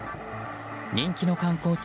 人気の観光地